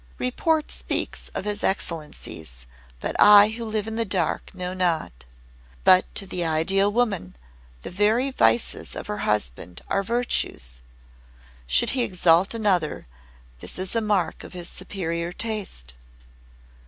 Report speaks of his excellencies, but I who live in the dark know not. But to the Ideal Woman, the very vices of her husband are virtues. Should he exalt another, this is a mark of his superior taste.